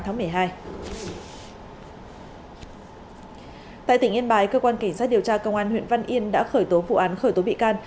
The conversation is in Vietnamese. tại tỉnh yên bái cơ quan cảnh sát điều tra công an huyện văn yên đã khởi tố vụ án khởi tố bị can